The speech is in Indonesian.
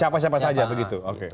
siapa siapa saja begitu